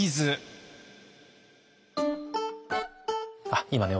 あっ今ね